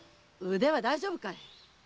腕は大丈夫かい？